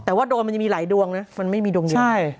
แต่ว่าโดนมันยังมีหลายดวงนะมันไม่มีดวงเดียว